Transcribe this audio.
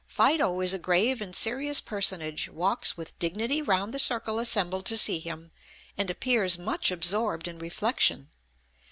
Fido is a grave and serious personage, walks with dignity round the circle assembled to see him, and appears much absorbed in reflection.